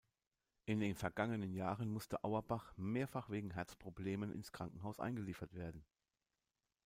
In den vergangenen Jahren musste Auerbach mehrfach wegen Herzproblemen ins Krankenhaus eingeliefert werden.